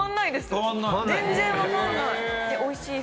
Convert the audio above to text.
全然分かんない。